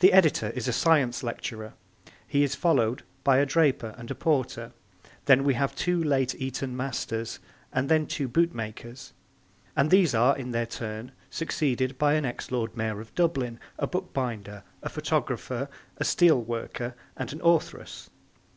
The editor is a 'Science lecturer'; he is followed by a draper and a porter; then we have two late Eton masters and then two bootmakers; and these are, in their turn, succeeded by an ex Lord Mayor of Dublin, a bookbinder, a photographer, a steel worker and an authoress.